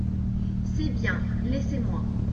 C’est bien… laissez-moi.